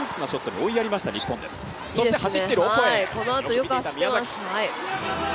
このあとよく走ってます。